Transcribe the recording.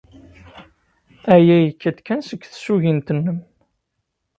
Aya yekka-d kan seg tsugint-nnem.